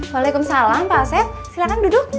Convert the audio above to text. waalaikumsalam pak asep silahkan duduk